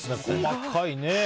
細かいね。